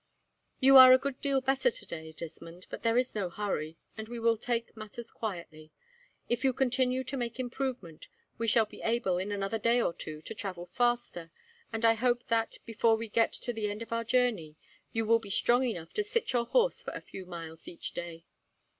"You are a good deal better today, Desmond, but there is no hurry, and we will take matters quietly. If you continue to make improvement we shall be able, in another day or two, to travel faster; and I hope that, before we get to the end of our journey, you will be strong enough to sit your horse for a few miles each day."